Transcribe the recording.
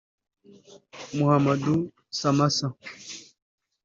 Mahamadou Samassa